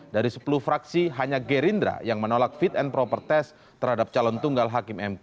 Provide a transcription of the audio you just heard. dari sepuluh fraksi hanya gerindra yang menolak fit and proper test terhadap calon tunggal hakim mk